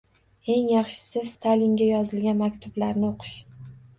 Eng yaxshisi, Stalinga yozilgan maktublarni o’qish.